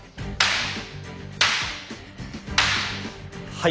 はい。